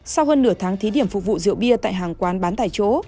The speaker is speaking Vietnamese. sau hơn nửa tháng thí điểm phục vụ rượu bia tại hàng quán bán tại chỗ